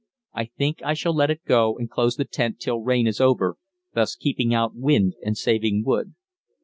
I think I shall let it go and close the tent till rain is over, thus keeping out wind and saving wood.